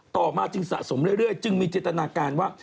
ต่อมาจึงสะสมเรื่อยจึงมีเจตนาการว่า